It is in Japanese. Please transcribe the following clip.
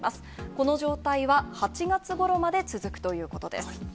この状態は８月ごろまで続くということです。